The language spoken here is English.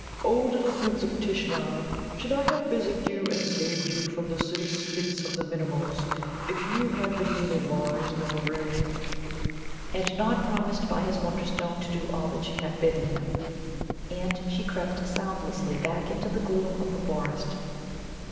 Oh, little Prince of Tishnar, should I have physicked you and saved you from the sooty spits of the Minimuls if you had been neither wise nor brave?" And Nod promised by his Wonderstone to do all that she had bidden him. And she crept soundlessly back into the gloom of the forest.